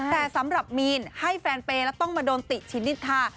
แต่สำหรับมีนให้แฟนเปย์แล้วต้องมาโดนติชินิษฐา